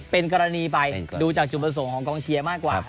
เป็นกรณีไปดูจากจุดประสงค์ของกองเชียร์มากกว่า